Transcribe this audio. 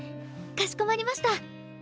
かしこまりました。